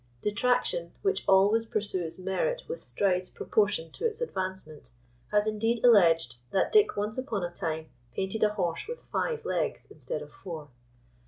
Detraction, which always pursues merit with strides proportioned to its advancement, has indeed alleged that Dick once upon a time painted a horse with five legs, instead of four.